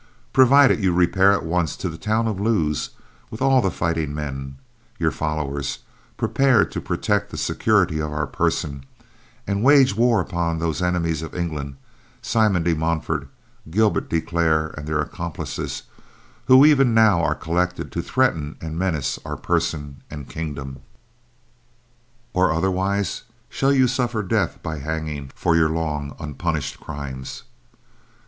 Provided, you repair at once to the town of Lewes, with all the fighting men, your followers, prepared to protect the security of our person, and wage war upon those enemies of England, Simon de Montfort, Gilbert de Clare and their accomplices, who even now are collected to threaten and menace our person and kingdom!!!!! Or, otherwise, shall you suffer death, by hanging, for your long unpunished crimes.